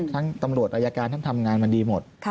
ตำรวจอายการท่านทำงานมาดีหมด